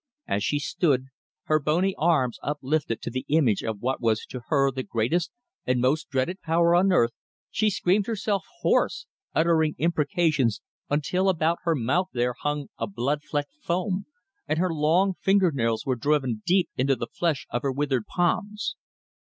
As she stood, her bony arms uplifted to the image of what was to her the greatest and most dreaded power on earth, she screamed herself hoarse, uttering imprecations until about her mouth there hung a blood flecked foam, and her long finger nails were driven deep into the flesh of her withered palms.